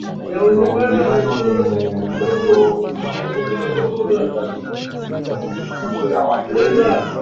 mahojiano ni muundo unaruhusu wasikilizaji kusikiliza mazungumzo ya watu wengi